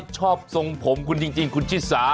ชอบทรงผมคุณจริงคุณชิสา